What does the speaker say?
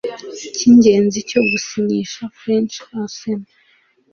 cyingenzi cyo gusinyisha Fresh Arsenal